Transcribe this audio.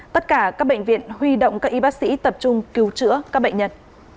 tất cả các bệnh viện huy động các y bác sĩ tập trung cứu chữa các bệnh nhân